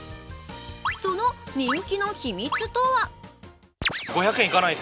その人気の秘密とは？